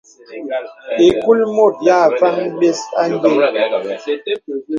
Ìkul mùt yā fàŋ bēs à nyə̀.